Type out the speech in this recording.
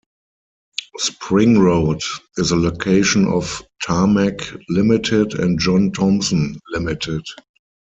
Spring Road is the location of Tarmac Limited and John Thompson Limited.